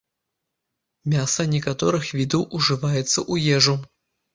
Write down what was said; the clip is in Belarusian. Мяса некаторых відаў ужываецца ў ежу.